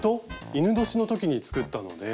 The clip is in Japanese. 戌年の時に作ったので。